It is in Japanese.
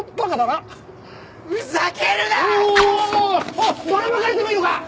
おいばらまかれてもいいのか？